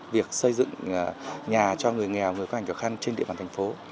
việc xây dựng nhà cho người nghèo người có ảnh khó khăn trên địa bàn thành phố